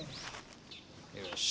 よし。